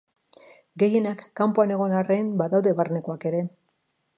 Gehienak kanpoan egon arren, badaude barnekoak ere.